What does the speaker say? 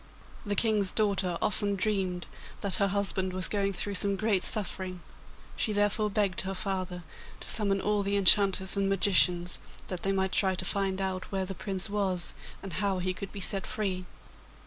The King's daughter often dreamed that her husband was going through some great suffering: she therefore begged her father to summon all the enchanters and magicians, that they might try to find out where the Prince was and how he could be set free.